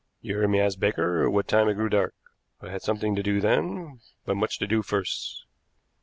You heard me ask Baker what time it grew dark. I had something to do then, but much to do first.